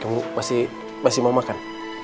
kamu masih mau makan